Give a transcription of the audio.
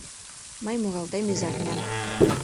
Мый муралтем изарнян